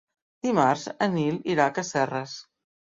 Dimarts en Nil irà a Casserres.